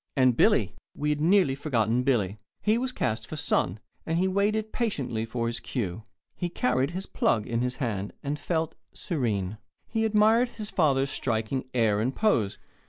And Billy! We had nearly forgotten Billy. He was cast for Son, and he waited patiently for his cue. He carried his "plug" in his hand, and felt serene. He admired his father's striking air and pose.